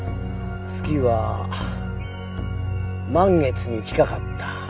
月は満月に近かった。